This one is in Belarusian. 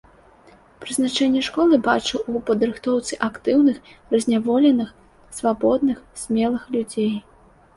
Прызначэнне школы бачыў у падрыхтоўцы актыўных, разняволеных, свабодных, смелых людзей.